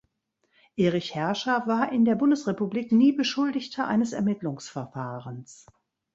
Erich Herrscher war in der Bundesrepublik nie Beschuldigter eines Ermittlungsverfahrens.